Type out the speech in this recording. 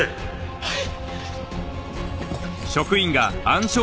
はい！